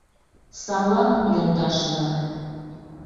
Салам, йолташ-влак!